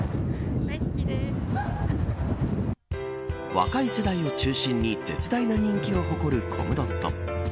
若い世代を中心に絶大な人気を誇るコムドット。